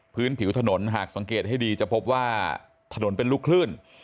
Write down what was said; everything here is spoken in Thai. พื้นผิวถนนหากสังเกตให้ดีจะพบว่าถนนเป็นลูกคลื่น